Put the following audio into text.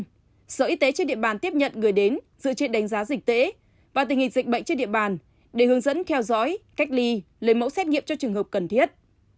cơ sở y tế trên địa bàn tiếp nhận người đến dự trị đánh giá dịch tễ và tình hình dịch bệnh trên địa bàn để hướng dẫn kheo dõi cách ly lấy mẫu xét nghiệm cho trường hợp cần thiết